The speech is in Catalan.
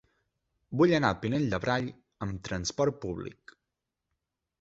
Vull anar al Pinell de Brai amb trasport públic.